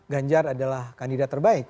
ganjar adalah kandidat terbaik